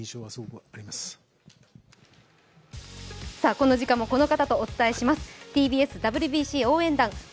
この時間もこの方とお伝えします。